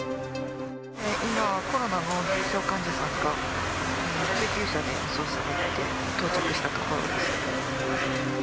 今、コロナの重症患者さんが、救急車で搬送されて、到着したところです。